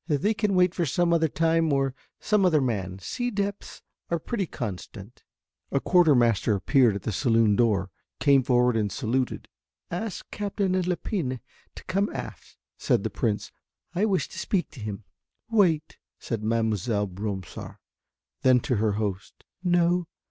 "They can wait for some other time or some other man, sea depths are pretty constant." A quarter master appeared at the saloon door, came forward and saluted. "Ask Captain Lepine to come aft," said the Prince. "I wish to speak to him." "Wait," said Mademoiselle Bromsart. Then to her host. "No.